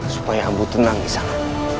supaya ambu tenang di sana